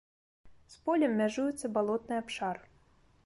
З полем мяжуецца балотны абшар.